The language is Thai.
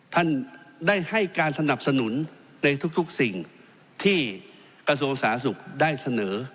ท่านได้ให้การสนับสนุนในทุกสิ่งที่กระทรวงสาธารณสุขได้เสนอ